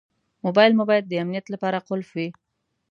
موبایل مو باید د امنیت لپاره قلف وي.